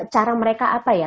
cara mereka apa ya